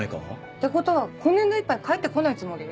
ってことは今年度いっぱい帰ってこないつもり？